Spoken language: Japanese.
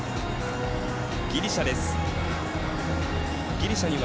ギリシャです。